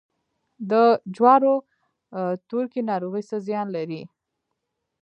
د جوارو تورکي ناروغي څه زیان لري؟